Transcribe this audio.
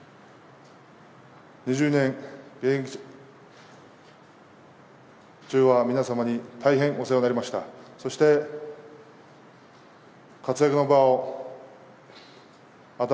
２０年、現役中は、皆様に大変お世話になりました。